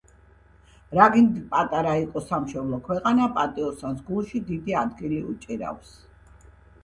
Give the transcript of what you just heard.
„რაც გინდა პატარა იყოს სამშობლო ქვეყანა, – პატიოსანს გულში დიდი ადგილი უჭირავს.“